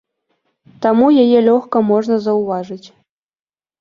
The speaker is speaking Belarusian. Таму яе лёгка можна заўважыць.